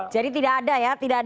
jadi tidak ada ya